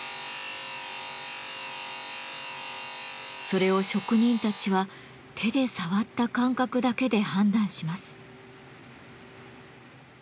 それを職人たちは手で触った感覚だけで判断します。